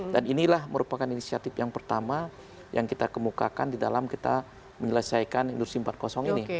dan inilah merupakan inisiatif yang pertama yang kita kemukakan di dalam kita menyelesaikan industri empat puluh ini